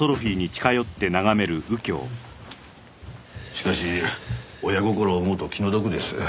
しかし親心を思うと気の毒です。